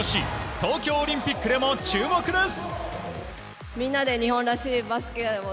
東京オリンピックでも注目です！